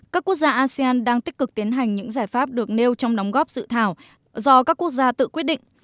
các quốc gia asean đang tích cực tiến hành những giải pháp được nêu trong đóng góp dự thảo do các quốc gia tự quyết định